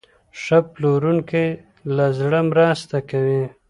ښه پلورونکی له زړه مرسته کوي.